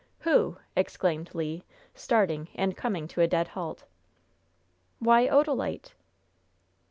Who?" exclaimed Le, starting, and coming to a dead halt. "Why, Odalite."